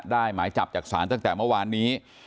หมายจับจากศาลตั้งแต่เมื่อวานนี้